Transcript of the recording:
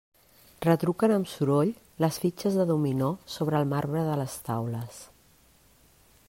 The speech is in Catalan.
Retruquen amb soroll les fitxes de dominó sobre el marbre de les taules.